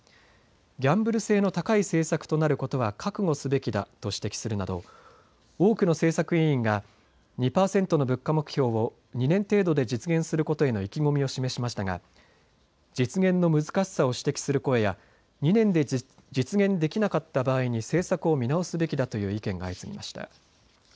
ギャンブル性の高い政策となることは覚悟すべきだと指摘するなど多くの政策委員が２％の物価目標を２年程度で実現することへの意気込みを示しましたが実現の難しさを指摘する声や２年で実現できなかった場合に政策を見直すべきだという意見が相次ぎました。